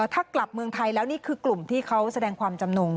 ถ้ากลับเมืองไทยแล้วนี่คือกลุ่มที่เขาแสดงความจำนง